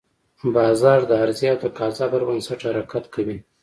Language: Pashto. بازار د عرضې او تقاضا پر بنسټ حرکت کوي.